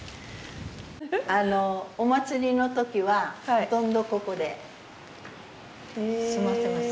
お祭りの時はほとんどここで座ってます。